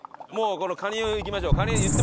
このカニを行きましょう。